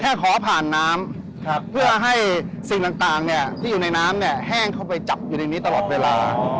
ขอผ่านน้ำเพื่อให้สิ่งต่างที่อยู่ในน้ำเนี่ยแห้งเข้าไปจับอยู่ในนี้ตลอดเวลา